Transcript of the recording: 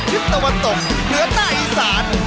เหนือใต้อีสาน